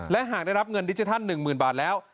และหากได้รับเงินดิจิทัล๑๐๐๐บาทแล้ว